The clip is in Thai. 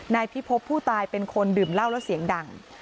นายพิพบผู้ตายเป็นคนดื่มเหล้าแล้วเสียงดัง